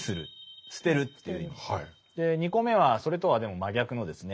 ２個目はそれとはでも真逆のですね